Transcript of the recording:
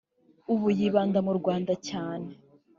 ubu yibanda mu Rwanda cyane